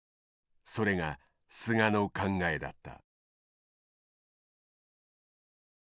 それが菅の考えだった。